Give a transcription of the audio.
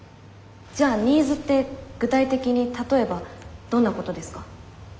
じゃあニーズって具体的に例えばどんなことですか？